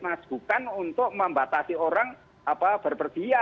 mas bukan untuk membatasi orang berpergian